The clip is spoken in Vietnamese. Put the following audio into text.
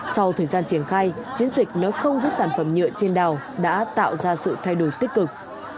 sau thời gian triển khai chiến dịch nếu không rút sản phẩm nhựa trên đào đã tạo ra sự thay đổi tích cực